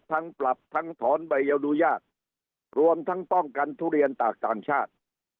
ทั้งปรับทั้งถอนใบอนุญาตรวมทั้งป้องกันทุเรียนตากต่างชาติ